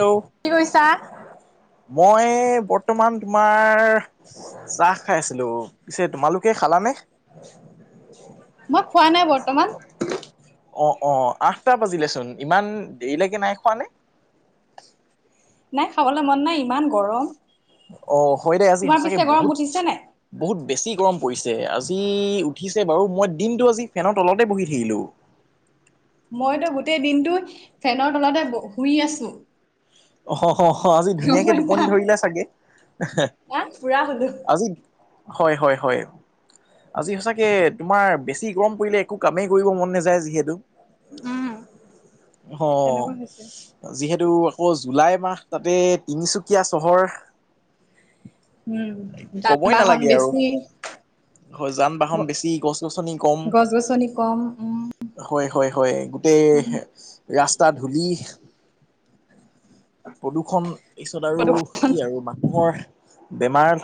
Hello কি কৰিছা? মই বৰ্তমান তোমাৰ চাহ খাই আছিলোঁ, পিছে তোমালোকে খালানে? মই খোৱা নাই বৰ্তমান। অ', অ', আঠটা বাজিলেচোন ইমান দেৰিলেকে নাই খোৱানে? নাই, খাবলৈ মন নাই ইমান গৰম। অ', হয়, দে আজি তোমাৰ সঁচাকে পিছে গৰম বহুত, উঠিছে নাই? বহুত বেছি গৰম পৰিছ আজি উঠিছে বাৰু, মই দিনটো আজি ফেনৰ তলতে বহি থাকিলোঁ। মইতো গোটেই দিনটো ফেনৰ তলতে ব-শুই আছোঁ। [unintelligible] আজি ধুনীয়াকে টোপনি ধৰিলে চাগে। আহ পুৰা শুলো। আজি হয়, হয়। হয়, আজি সঁচাকে তোমাৰ বেছি গৰম পৰিলে একো কামেই কৰিব মন নেযায় যিহে অ', উম, তেনেকুৱা হৈছে। যিহেতু আকৌ জুলাই মাহ তাতে, তিনিচুকীয়া চহৰ। উম, যান ক'বই বাহন নালাগে আৰু বেছি। হয়, যান বাহন বেছি, গছ গছনি কম। গছ গছনি কম, উম। হয়, হয়, হয়, গোটেই উম, ৰাস্তা ধূলি। প্ৰদূষণ পিছত আৰু প্ৰদূষণ, কি আৰু মানুহৰ বেমাৰ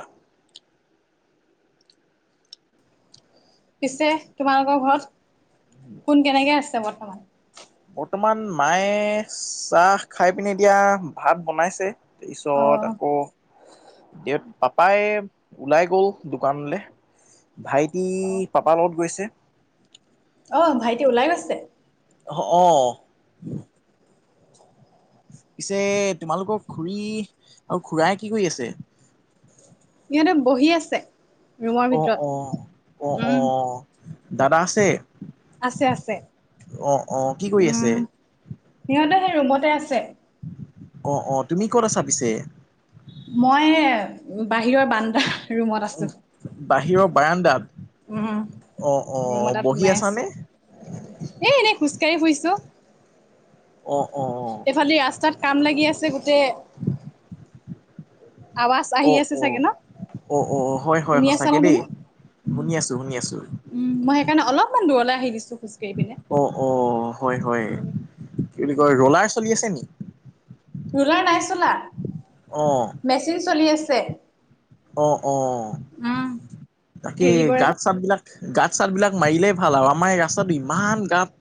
পিছে, তোমালোকৰ ঘৰত কোন, কেনেকে আছে বৰ্তমান? তোমাৰ, মায়ে চাহ খাই পিনে এতিয়া ভাত বনাইছে। পিছত অ', আকৌ এতিয়া, পাপাই ওলাই গ'ল দোকানলৈ। ভাইটি, পাপাৰ লগত গৈছে। অ', ভাইটি ওলাই গৈছে? অ', অ'। পিছে তোমালোকৰ খুড়ী আৰু খুৰাই কি কৰি আছে? ইিহঁতে বহি আছে। ৰুমৰ অ', ভিতৰত, অ', অ', উম, অ', দাদা আছে? আছে আছে অ অ কি কৰি আছে উম সিহঁতে সেই ৰুমতে আছে অ অ তুমি ক'ত আছা পিছে মই বাহিৰৰ বান্দা ৰুমত আছো বাৰণ্ডাত উম ৰুম এটাত বহি সোমাই আছো আছানে এ এনেই খোজ কাঢ়ি ফুৰিছোঁ অ অ এইফালে দি ৰাস্তাত কাম লাগি আছে গোটেই আৱাজ অ আহি আছে অ চাগে ন অ অ হয় হয় শুনি আছা ন সঁচাকে দেই তুমি উম শুনি আছো শুনি আছো উম মই সেইকাৰণে অলপমান দূৰলে আহিলো অ অ হয় হয় কি বুলি কয় ৰলাৰ চলি আছে নি ৰোলাৰ নাই চলা অ মেচিন চলি আছে অ অ উম বাকী হেৰি কৰে যে গাত চাত বিলাক গাঁত চাতবিলাক মাৰিলেই ভাল আৰু আমাৰ এই ৰাস্তাটো ইমান গত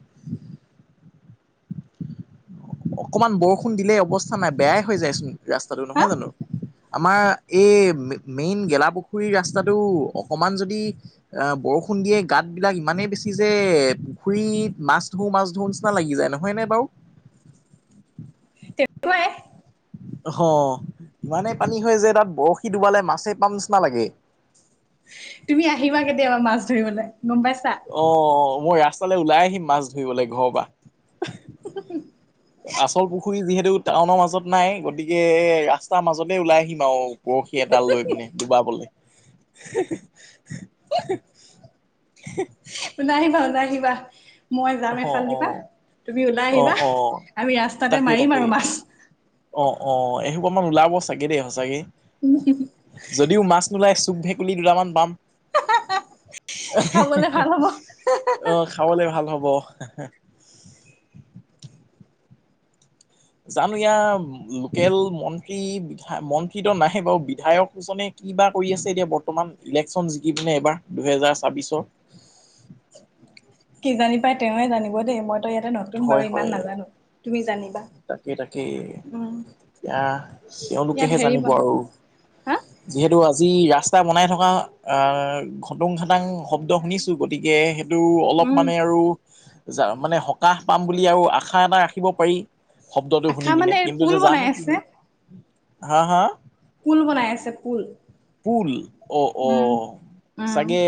অকমান বৰষুণ দিলেই অৱস্থা নাই বেয়াই হৈ যায়চোন ৰাস্তাটো হা নহয় জানো আমাৰ এই মেইন গেলাপুখুৰীৰ ৰাস্তাটো অকমান যদি বৰষুণ দিয়ে গাত বিলাক ইমানেই বেছি যে পুখুৰীত মাছ ধও মাছ ধও নিচিনা লাগি যায় নহয় ন বাৰু [inaudible] তেনেকুৱাই অ ইমানেই পানী হয় যে তাত বৰশী ডুবালে মাছে পাম নিচিনা লাগে [inaudible] তুমি আহিবা কেতিয়াবা মাছ ধৰিবলে অহ মই ৰাস্তালে ওলাই আহিম মাছ ধৰিবলে ঘৰৰ পৰা আচল পুখুৰী যিহেতু টাউনৰ মাজত নাই গতিকে ৰাস্তাৰ মাজতে ওলাই আহিম আও পখি এডাল লৈ পিনে ডুবাবলে। [unintelligible] তু নাহি ভাওনা কিবা মই অ যাম অ এফালদিপা তুমি ওলাই অ আহিবা অ আৰু এ ৰাস্তাতে তাকেই মাৰিম আৰু তাকেই মাছ। অ', অ', এসোপামান ওলাব চাগে দেই সচাকে। যদিও মাছ নোলাই চুক ভেকুলী দুটামান পাম। খাবলে ভাল হ'ব [unintelligible] অ, খাবলে ভাল হ'ব। [unintelligible] জানো ইয়া লোকেল মন্ত্ৰী বিধ মন্ত্ৰীতো নাহে বাৰু বিধায়ক এজনী কিবা কৰি আছে এতিয়া বৰ্তমান ইলেকশচন জিকি পিনে এইবাৰ দুহেজাৰ ছাব্বিছৰ? [unintelligible] কি জানি পাই তেওঁৱে জানিব দেই মইতো ইয়াতে নতুন বাৰু ইমান নাজানো তুমি জানি তাকেই-তাকেই এয়া ইয়াত তেওঁলোকেহে হেৰি জানিব বন আৰু। হা যিহেতু আজ আজি ৰাস্তা বনাই থকা আহ ঘটুং ঘটাং শব্দ শুনিছো গতিকে এইটো অলপ উম মানে আৰু মানে সকাহ পাম বুলি আৰু আশা এটা ৰাখিব পাৰি। শব্দটো শুনি আশা পিনে মানে কিন্তু পুল এতিয়া যাম বনাই আছে কিহে হা-হা? পুল বনাই আছে পুল। পুল অ', উম অ', উম চাগে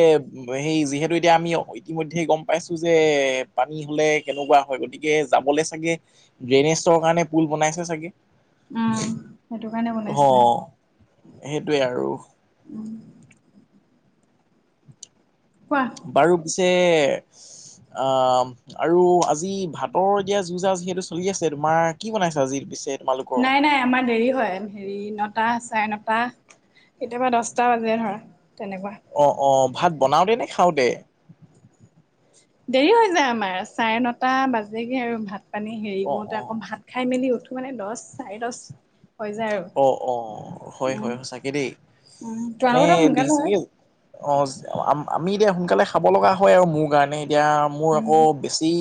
সেই যিহেতু এতিয়া আমি ইতিমধ্যেই গম পাইছোঁ যে পানী হ'লে কেনেকুৱা হয় গতিকে যাবলৈ চাগে ড্ৰেইনেচৰ কাৰণে পুল বনাইছে চাগে। উম সেইটো কাৰণে হ, বনাইছে সেইটোৱে আৰু। কোৱা বাৰু পিছে অ, আৰু আজি ভাতৰ এতিয়া যু-জা যিহেতু চলি আছে, তোমাৰ কি বনাইছা, আজি পিছে? তোমালোকৰ নাই, নাই, আমাৰ দেৰি হয়, হেৰি ন নটা- চাৰে নটা, কেতিয়াবা দহটা বাজে ধৰা। তেনেকুৱা অ, অ, ভাত বনাওতে, নে খাওঁতে? দেৰি হৈ যায় আমাৰ, চাৰে নটা বাজেগে আৰু ভাত মানে হেৰি অ কৰোতে, অ আকৌ ভাত খাই মেলি উঠো মানে দহ-চাৰি দহ হৈ যায় আৰু অ, অ, হয়, উম হয়, সচাকে দেই। উম মানে তোমালোকৰতো সোনকালে হয় [unintelligible] অ, আমি এতিয়া সোনকালে খাব লগা হয় আৰু মোৰ কাৰণে। এতিয়া মোৰ আকৌ উম বেছি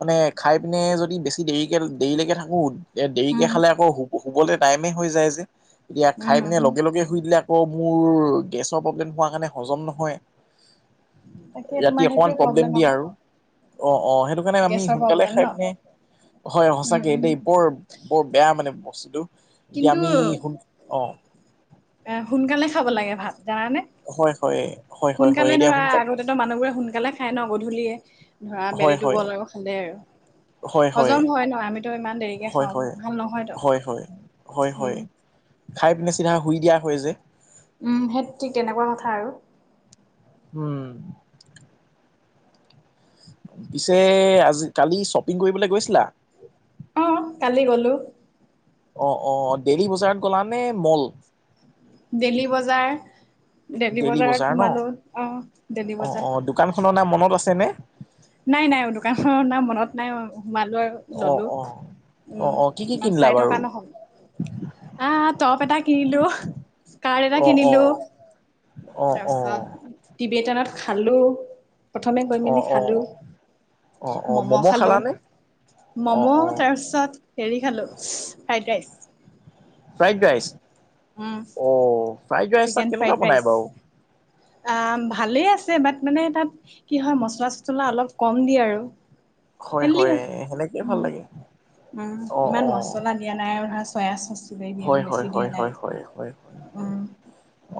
মানে, খাই পিনে যদি বেছি দেৰিকে দেৰিলৈকে থাকোঁ এতিয়া দেৰিকে উম খালে আকৌ শু-শুবলৈ টাইমেই হৈ যায় যে, এতিয়া খাই উম পিনে উম লগে-লগে শুই দিলে আকৌ, মোৰ গেছৰ প্ৰব্লেম হোৱা কাৰণে হজম নহয়। তাকে ৰাতি তোমাৰ অকনমান সেইটোৱে প্ৰব্লেম দিয়া আকৌ আৰু। অ, সেইটো কাৰণে আমি গেছৰ সোনকালে প্ৰব্লেম খাই ন পিনে হয়, উম সচাকে উম দেই, বৰ বৰ বেয়া মানে [unintelligible] কিন্তু, আমি সোন অ', এ, সোনকালে খাব লাগে ভাত। জানানে? হয় হয় হয় হয় হয় সোনকালে এতিয়া ধৰা, সোনকাল আগতেতো মানুহবোৰে সোনকালে খাই ন, গধূলিয়ে। ধৰা হয় বেলিটো হয় গল আৰু খালে, হয় হজম হয় ন আমি তই ইমান দেৰিকে হয় হয় খাওঁ, হয়। ভাল নহয় ত। হয় হয় হয়, হয়, খাই পিনে চিধা শুই দিয়া হয় যে। উম সেই ঠিক তেনেকুৱা কথা আৰু। উম। পিছে, আজি কালি শ্বপিং কৰিবলৈ গৈছিলা? অ কালি গলো। অ অ দেইলি বজাৰত গ'লা নে, মল? দেইলি বজাৰ, দেইলি ডেইলি বজাৰত বজাৰ ন? সোমালোঁ অ দেইলি বজাৰ। মত আছেনে নাই নাই দোকান না মনত নাই অ সোমালো অ ললো অ। অ উম অ কি কি ইমান কিনিলা চাই থকা বাৰু? নহল আহ টপ এটা কিনিলো কাৰ্ড এটা অ অ কিনিলো অ অ তাৰপিছত টিভিি এটানত খালো প্ৰথমে গৈ অ মেলি অ। খালোঁ অ অ ম'ম' খালো খালানে? অ ম'ম' অ তাৰপিছত হেৰি খালো সেইতাই ফ্ৰাইড ৰাইচ অ ফ্ৰাইড ৰাইচ তাত চিকেন ফ্ৰাই কেনেকুৱা বনাই বাৰু? ৰাইচ ভালেই আছে বাট মানে তাত কি হয় মচলা চছলা অলপ কম দিয়ে আৰু হেললি হয় সেনেকেই উ ভাল লাগে। উম অ ইমান অ মচলা দিয়া নাই চয়া চচ কিবা কিবি হয় এইবোৰ হয় বেছি হয় দিয়া নাই। হয় হয় হয় উম,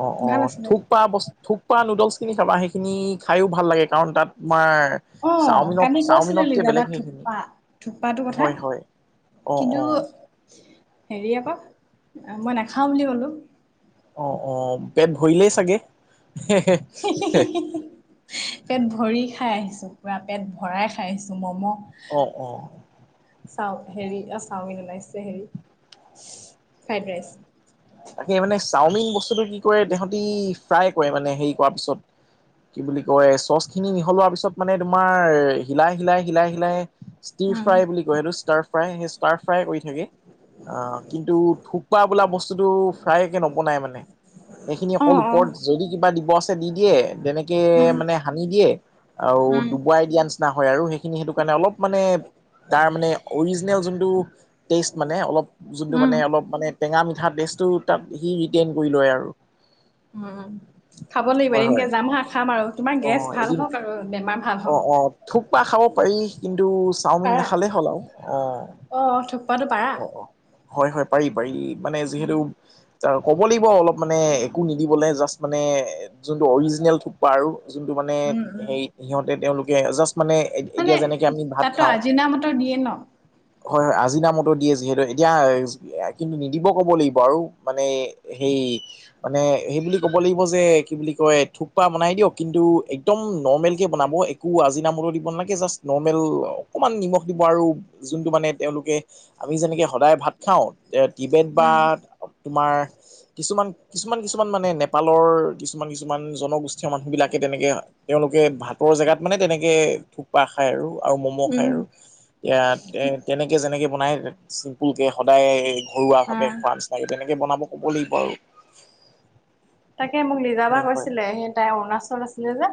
অ অ ভাল আছিলে। থোক পা থুপা নুডলচ খিনি খাবা সেইখিনি খাইো ভাল লাগে কাৰণ তাত তোমাৰ আহ চাওমিনত কানি চাওমিনতকে কৈছিলিজাবা বেলেগ সেইখিনি থোপ্পা থোপ্পাটো কথা হয় হয় অ কিন্তু অ হেৰি আকৌ মই নাখাওঁ বুলি কলো অ অ পেট ভৰিলেই চাগে পেট ভৰি খাই আহিছে চোপুৰা পেট ভৰাই খাইছোঁ ম'ম' অ অ চাও হেৰি অ চাওমিন ওলাইছে হেৰি ফ্ৰাইড ৰাইচ তাকে মানে চাওমিন বস্তুটো কি কৰে তহঁতি ফ্ৰাই কৰে মানে হেৰি কৰা পিছত কি বুলি কয় চচ খিনি মিহলোৱা পিছত মানে তোমাৰ হিলাই হিলাই হিলাই হিলাই ষ্টি উম, ফ্ৰাই বুলি কয়টো ষ্টাৰ ষ্টাৰ ফ্ৰাই কৰি থাকে অ কিন্তু থোপ্পা বোলা বস্তু বস্তুটো ফাই একে নবনাই মানে সেইখিনি অকল অ', অ', ওপৰত যদি কিবা দিব আছে দি দিয়ে তেনেকে উম, মানে সানি দিয়ে আৰু উম, ডুবুৱাই দিয়া নিচিনা হয় আৰু সেই খিনি সেইটো কাৰণে অলপ মানে তাৰ মানে অৰিজিনেল যোনটো টেষ্ট মানে অলপ যোনটো উম, মানে অলপ মানে টেঙা মিঠা বস্তুটো টেষ্ট টো সি ৰেটান কৰি লয় আৰু উম খাব লাগিব হয় এদিনকে হয় যাম হা খাম আৰু তোমাৰ অ গেছ ভাল এদিন হওক আৰু বেমাৰ ভাল অ হওঁক। অ থোপ্পা খাব পাৰি কিন্তু চাওমিন পাৰা নাখালেই হ'ল আৰু অ অ থুকপাতো পাৰা অ অ হয় হয় পাৰি পাৰি মানে যিহেতু ক'ব লাগিব অলপ মানে একো নিদিবলৈ জাষ্ট মানে যোনটো অৰিজিনেল থোপ্পা আৰু যোনটো মানে উম উম সেই সিহঁতে তেওঁলোকে জাষ্ট মানে মানে এতিয়া যেনেকে আমি ভাত তাতো খাওঁ আজিনা মটৰ দিয়ে ন হয় হয় আজি নামতো দিয়ে যিহেতু এতিয়া কিন্তু নিদিব ক'ব লাগিব আৰু মানে সেই মানে সেইব কবা লাগিব যে কি বুলি কয় থুপ্পা বনাই দিয় কিন্তু একডোম নোৰমেল বনাব একো আজি মোলু দিব নাগে জাষ্ট নৰ্মেল অকমান নিমখ দিব আৰু যোনটো মানে তেওঁলোক আমি যেনেকে সদায় ভাত খাওঁ টি বেড বা তোমাৰ কিছুমান কিছুমান কিছুমান মানে নেপালৰ কিছুমান কিছুমান জনগোষ্ঠীয় মানুহ বিলাকে তেনেকে তেওঁলোকে ভাত বৰ জেগাত মানে তেনেকে থোপ্পা খায় আৰু আৰু ম'ম' খায় আৰু এতিয়া তেনেকৈ যেনেকৈ বনায় চিম্পুলকে সদায় ঘৰুৱা ভাৱে খোৱাৰ নিচিনাকৈ তেনেকে বনাব ক'ব লাগিব আৰু তাকে মোক লিজা বা হয় হয় কৈছিলে সেই তাই অৰুণাচল আছিলে যে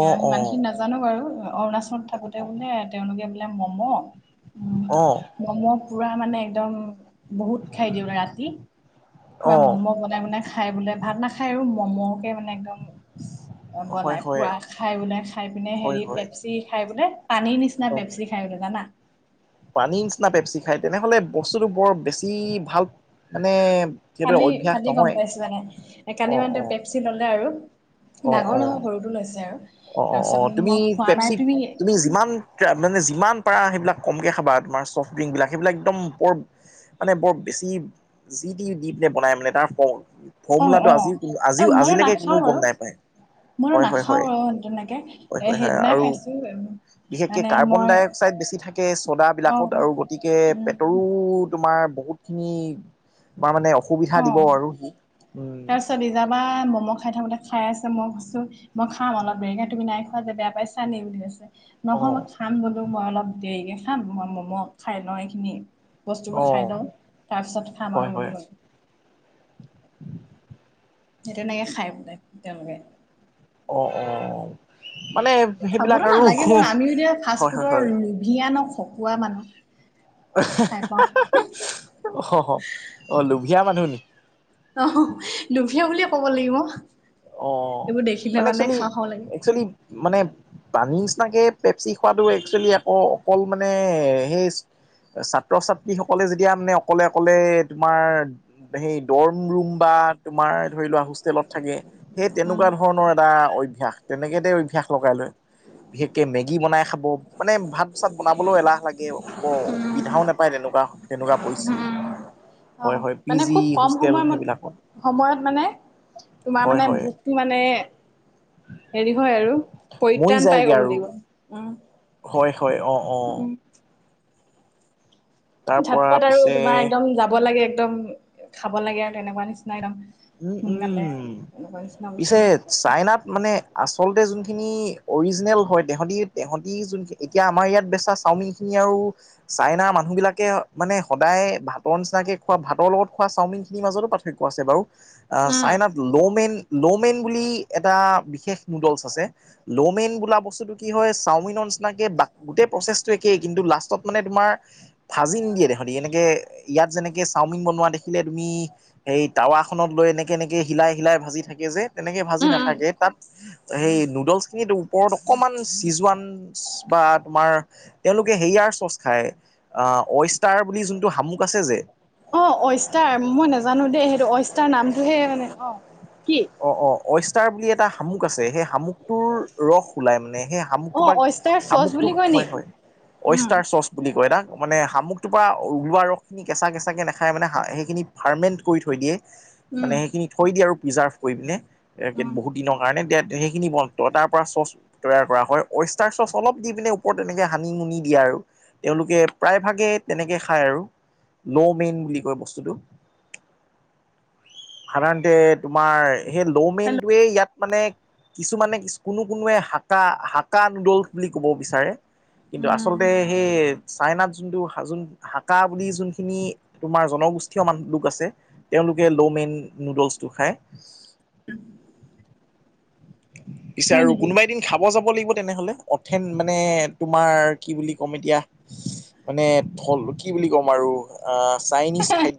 অ সিমান খিনি নাজানো বাৰু অৰুণাচলত থাকোতে বোলে তেওঁলোকে বোলে মম উ অ মম' পুৰা মানে একদম বহুত খাই দিওঁ ৰাতি অ পুৰা ম'ম' বনাই বনাই খাই বোলে ভাত নাখায় আৰু ম'ম'কে মানে একদম। হয় বনাই হয় পুৰা খাই বোলে খাই পিনে হয় হেৰি হয় পেপচি খাই বোলে। পানীৰ নিচিনা হয় হয় পেপচি খাই বোলে জানা। পানীৰ নিচিনা পেপচি খায় তেনেহলে বস্তুটো বৰ বেছি ভাল মানে সেইটো কালি অভ্যাস কালি গম নহয় পাইছো মানে, এ কালি অ মানে অ পেপচি ললে আৰু অ অ ডাঙৰ নহয় সৰুটো লৈছে আৰু। অ' অ' তাৰপিছত অ' তুমি মই খোৱা নাই পেপচিত তুমি যিমান মানে যি ইমান পাৰা সেইবিলাক কমকৈ খাবা তোমাৰ চফ্ট ড্ৰিংকবিলাক হেই বিলাক একদম বৰ মানে বৰ বেছি যি টি দি পিনে বনাই মানে তাৰ প অ ফৰ্মুলাটো অ আজি অ আজিও মইয়ো আজিলৈকে নাখাওঁ কোনোও গম বাৰু নাই পায়, মইয়ো হয় হয় নাখাওঁ হয়। অ তেনেকে হয় এ হয় হয় সেইদিনা আৰু খাইছো উ বিশেষকে কাৰ্বন ডাই অক্সাইড বেছি থাকে অ চ'দাবিলাকত আৰু গতিকে উম পেটৰো তোমাৰ বহুত খিনি মা মানে অসুবিধা দিব অ', আৰু সি উম তাৰপিছত লিজা বাই ম'ম' খাই থাকোতে খাই আছি। মই কছো, মই খাম অলপ দেৰিকে তুমি নাই খোৱা যে বেয়া পাইছা নি বুলি কৈছে। অ নহয় মই খাম বোলো মই অলপ দেৰিকে খাম মই ম'ম' খাই ল এইখিনি। বস্তুবোৰ অ খাই লওঁ, তাৰ পিছত খাম হয় আৰু বুলি হয় কলো। সেই তেনেকে খাই বোলে তেওঁলোকে। অ', অ'। মানে সেইবিলাক খাবতো আৰু নালাগে বাৰু আমি এতিয়া হয় ফাষ্ট হয় ফুডৰ হয় লোভিয়া ন খকুৱা মানুহ। খাই পাওঁ অ', অ', লোভীয়া মানুহ নে কি। অ' লুভীয়া বুলিয়ে ক'ব লাগিব। অ', এইবোৰ দেখিলে মানে এক খাওঁ খাওঁ লাগে চোৱেলীএক চোৱালী মানে পানী নিচিনাকে পেপচি খোৱাটো একচুৱেলি আকৌ অকল মানে সেই ছাত্ৰ ছাত্ৰী সকলে যেতিয়া মানে অকলে অকলে তোমাৰ সেই দৰম ৰুম বা তোমাৰ ধৰি লোৱা হোষ্টেলত থাকে, সেই উম তেনেকুৱা ধৰণৰ এটা অভ্যাস, তেনে কে তেঁও অভ্যাস লগাই লয়। বিশেষকে মেগী বনাই খাব, মানে ভাত চাত বনাবলৈও এলাহ লাগে বৰ সুবিধাও নেপায় তেনে [unintelligible] তেনেকুৱা পচিষ্ঠিতি। উম অ মানে খুব কম সময় সময়ত মানে তোমাৰ হয় মানে হয় ভোকটো মানে হেৰি হয় আৰু, মৰি পৰিত্ৰাণ পাই যায়গে ক'ব আৰু লাগিব। হয় হয়, অ', অ'। তাৰ পৰা ঝটপট আৰু পিছে তোমাৰ একদম যাব লাগে একদম খাব লাগে আৰু তেনেকুৱা নিচিনা একদম। উম সোনকালে উম, এনেকুৱা নিচিনা বস্তু। পিছে চাইনাত মানে আচলতে যোন খিন অৰিজিনেল হয়, তেহঁতি তেহঁতি যোনিন এতিয়া আমাৰ ইয়াত বেচা চাওমিন খিনি আৰু চাইনা মানুহবিলাকে মানে সদায় ভাতৰ নিচিনাকে খোৱা ভাতৰ লগত খোৱা চাওমিন খিনিৰ মাজতো পাৰ্থক্য আছে বাৰু। চাইনাত ল'মেন লমেইন বুলি এটা বিশেষ নুডলছ আছে, ল'মেইন বোলা বস্তুটো কি হয় চাওমিন নিচিনাকে গোটেই প্ৰচেছটো একেই কিন্তু লাষ্টত মানে তোমাৰ ভাজি নিদিয়ে দেহতি এনেকে ইয়াত যেনেকে চাওমিন বনোৱা দেখিলে তুমি সেই টাৱা খনত লৈ এনেকে এনেকে হিলাই হিলাই ভাজি থাকে যে তেনেকে ভাজি নাথাকে তাত সেই নুডলছ খিনিত ওপৰত অকমান চিজোৱান বা তোমাৰ তেওঁলোকে হেয়া চচ খাই, আহ অষ্টাৰ বুলি যোনটো শামুক আছে যে অ', অষ্টাৰ মই নাজানো দেই সেইটো অষ্টাৰ নামটোহে মানে অ'। কি অ', অ', অষ্টাৰ বুলি এটা শামুক আছে সেই শামুকটোৰ ৰস ওলাই মানে। সেই শামুক অ', পাৰ অইষ্টাৰ চচ বুলি শামুকটোক কয় নি? হয় হয়, উম, অষ্টাৰ চৰ্চ বুলি কয় তাক। মানে শামুকটোৰ পৰা ওলোৱা ৰসখিনি কেঁচা কেঁচাকে নেখাই মানো সেইখিনি ফাৰ্মেণ্ট কৰি থৈ দিয়ে। মানে উম, সেইখিনি থৈ দিয়ে আৰু প্ৰিজাৰ্ভ কৰি পিনে উম, বহুত দিনৰ কাৰণে সেইখিনি বন তাৰ পৰা চ'চ তৈয়াৰ কৰা হয়, ৱইষ্টাৰ চচ অলপ দি পিনে ওপৰত তেনেকে সানি মুুনি দিয়া তেওঁলোকে প্ৰায় ভাগে তেনেকে খায় আৰু। ন মেইন বুলি কয় বস্তুটো। সাধাৰণতে তোমাৰ সেই হেল্ল' লমেইনটোৱে ইয়াত মানে কিছুমানে কোনো-কোনোৱে হাটা-হাটা নুদুল বুলি ক'ব বিচাৰে। কিন্তু আচলতে সেই চাইনাত যোনটো যোন হাকা বুলি যোনখিনি তোমাৰ জনগোষ্ঠীমান লোক আছে তেওঁলোক তেওঁলোকে ন মেন নোডেলছ টো খায়। পিছে হয় আৰু নেকি? কোনোবা এদিন খাব যাব লাগিব। তেনেহলে অথেন মানে তোমাৰ কি বুলি ক'ম এতিয়া মানে থল কি? কম আৰু আ চাইনিছ খাদ্য।